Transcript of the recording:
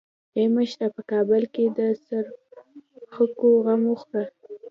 ای مشره په کابل کې د څرخکو غم وخوره.